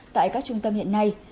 tại các trung tâm hiện nay